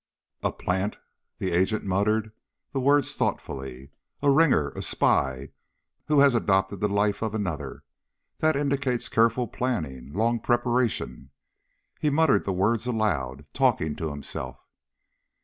"A plant." The agent muttered, the words thoughtfully. "A ringer a spy who has adopted the life role of another. That indicates careful planning, long preparation." He muttered the words aloud, talking to himself.